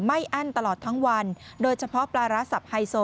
อั้นตลอดทั้งวันโดยเฉพาะปลาร้าสับไฮโซ